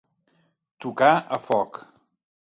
Tocar a foc.